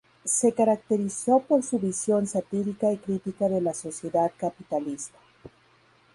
Se caracterizó por su visión satírica y crítica de la sociedad capitalista.